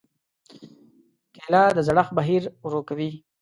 کېله د زړښت بهیر ورو کوي.